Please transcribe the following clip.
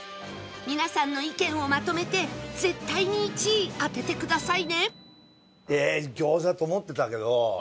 皆さんの意見をまとめて絶対に１位当ててくださいね